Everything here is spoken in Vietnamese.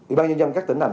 ủy ban nhân dân các tỉnh này